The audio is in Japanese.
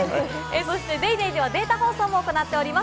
『ＤａｙＤａｙ．』ではデータ放送も行っています。